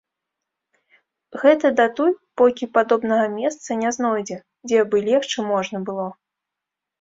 Гэта датуль, покі падобнага месца не знойдзе, дзе бы легчы можна было.